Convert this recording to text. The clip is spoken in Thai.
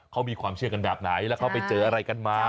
เขามีความเชื่อกันแบบไหนแล้วเขาไปเจออะไรกันมา